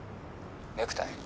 ネクタイ？